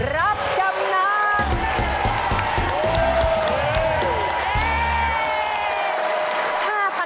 รับจำนำ